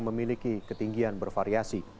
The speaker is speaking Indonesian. memiliki ketinggian bervariasi